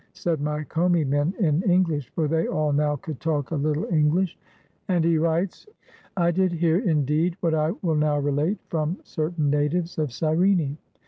said my Commi men in Eng lish, for they all now could talk a little English — "and he writes: —" *I did hear, indeed, what I will now relate, from cer tain natives of Cyrene.